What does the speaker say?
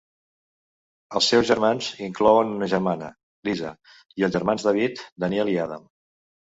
Els seus germans inclouen una germana, Lisa, i els germans David, Daniel i Adam.